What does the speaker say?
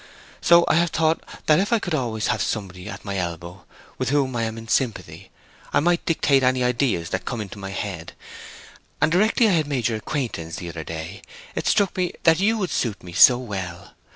So I have thought that if I always could have somebody at my elbow with whom I am in sympathy, I might dictate any ideas that come into my head. And directly I had made your acquaintance the other day it struck me that you would suit me so well.